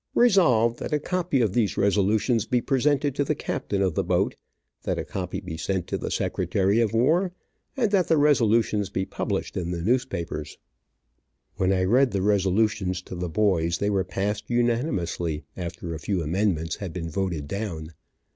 "Resolved, That a copy of these resolutions be presented to the captain of the boat, that a copy be sent to the secretary of war, and that the resolutions be published in the newspapers." When I read the resolutions to the boys they were passed unanimously, after a few amendments had been voted down.